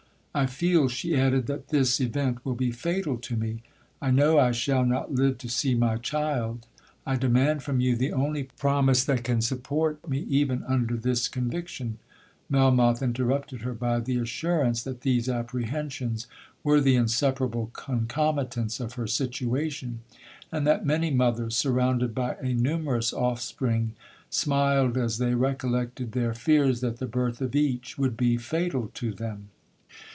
I feel,' she added, 'that this event will be fatal to me—I know I shall not live to see my child—I demand from you the only promise that can support me even under this conviction'—Melmoth interrupted her by the assurance, that these apprehensions were the inseparable concomitants of her situation, and that many mothers, surrounded by a numerous offspring, smiled as they recollected their fears that the birth of each would be fatal to them.